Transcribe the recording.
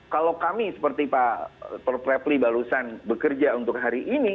kalau kami seperti pak tor prepli balusan bekerja untuk hari ini